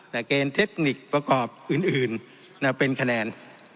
แต่เกณฑ์เทคนิคประกอบอื่นเป็นคะแนน